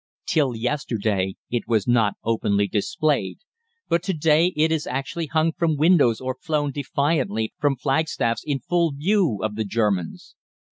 Till yesterday it was not openly displayed, but to day it is actually hung from windows or flown defiantly from flagstaffs in full view of the Germans.